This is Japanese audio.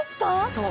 そう。